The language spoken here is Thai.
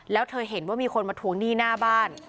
แล้วเธอเห็นว่ามีคนมาทวงหนี้หน้าบ้าน